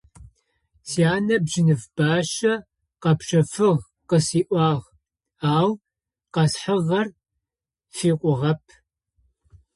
Сянэ бжьыныф бащэ къэпщэфыгъ къысиӏуагъ, ау къэсхьыгъэр фикъугъэп.